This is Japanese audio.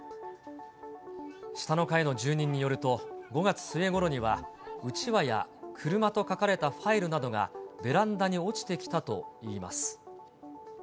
下の階の住人によると、５月末ごろには、うちわや車と書かれたファイルなどがベランダに落ちてきたといいます。